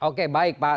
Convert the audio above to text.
oke baik pak